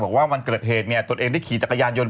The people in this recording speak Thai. บอกว่าวันเกิดเหตุตัวเองได้ขี่จักรยานยนต์